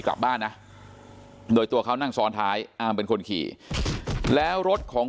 กลับบ้านนะโดยตัวเขานั่งซ้อนท้ายอามเป็นคนขี่แล้วรถของ